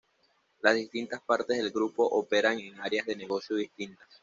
Las distintas partes del grupo operan en áreas de negocio distintas.